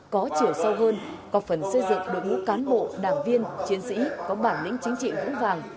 có chiều sâu hơn có phần xây dựng đội ngũ cán bộ đảng viên chiến sĩ có bản lĩnh chính trị vững vàng